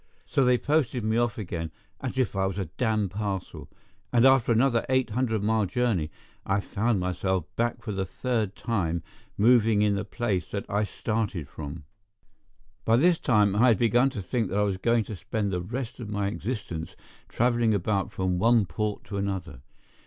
So they posted me off again as if I was a damned parcel; and after another eight hundred mile journey I found myself back for the third time moving in the place that I started from. By this time I had begun to think that I was going to spend the rest of my existence traveling about from one port to another.